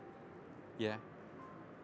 biasa kita dengarkan pepatah